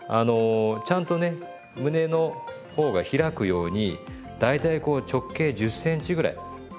ちゃんとね胸の方が開くように大体こう直径１０ｃｍぐらい。